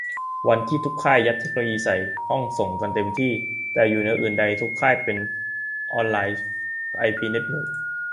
วันนี้ทุกค่ายัดเทคโนโลยีใส่ห้องส่งกันเต็มที่ แต่อยู่เหนืออื่นใดทุกค่ายเปสออนไอพีเน็ตเวิร์ก